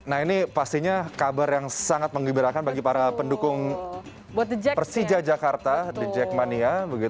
nah ini pastinya kabar yang sangat mengembirakan bagi para pendukung persija jakarta the jackmania